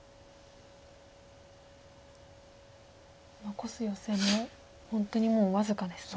残すヨセも本当にもう僅かですね。